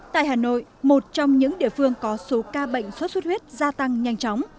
tại hà nội một trong những địa phương có số ca bệnh sốt xuất huyết gia tăng nhanh chóng